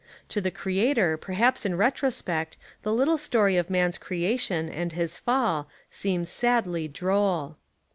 To the Creator perhaps in retrospect the little story of man's creation and his fall seems sadly droll.